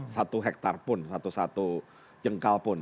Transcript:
satu hektar pun satu satu jengkal pun